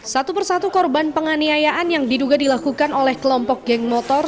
satu persatu korban penganiayaan yang diduga dilakukan oleh kelompok geng motor